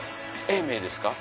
永明ですか？